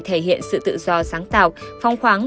thể hiện sự tự do sáng tạo phong khoáng